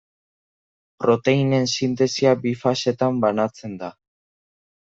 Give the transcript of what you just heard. Proteinen sintesia bi fasetan banatzen da.